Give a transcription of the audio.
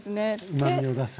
うまみを出す。